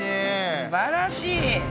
すばらしい！